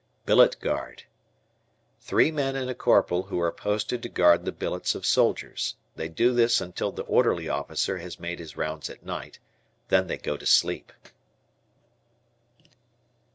Billet Guard. Three men and a corporal who are posted to guard the billets of soldiers. They do this until the orderly officer has made his rounds at night, then they go to sleep.